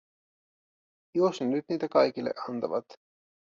Jos ne nyt niitä kaikille antavat.